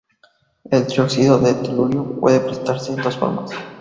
El trióxido de telurio puede presentarse en dos formas.